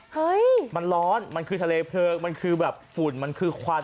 เฮ้ยมันร้อนมันคือทะเลเพลิงมันคือแบบฝุ่นมันคือควัน